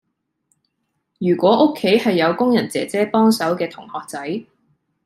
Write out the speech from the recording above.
如果屋企係有工人姐姐幫手嘅同學仔